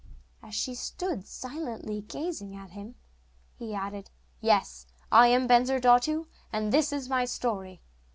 And as she stood silently gazing at him, he added: 'Yes, I am Bensurdatu; and this is my story.